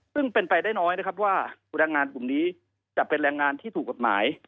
ซึ่งเป็นไปได้น้อยนะครับว่าแรงงานกลุ่มนี้จะเป็นแรงงานที่ถูกกฎหมาย